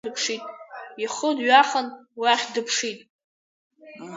Ихы дҩахан уахь дыԥшит.